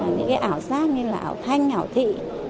những ảo sát như là ảo thanh ảo thị